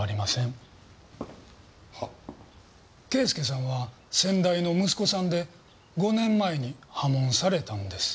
圭祐さんは先代の息子さんで５年前に破門されたんです。